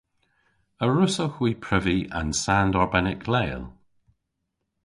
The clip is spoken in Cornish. A wrussowgh hwi previ an sand arbennik leel?